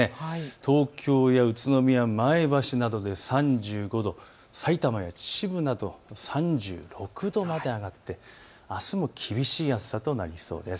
東京や宇都宮、前橋などで３５度、さいたまや秩父など３６度まで上がってあすも厳しい暑さとなりそうです。